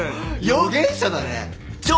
予言者だね。